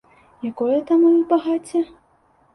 Якое там у іх багацце?!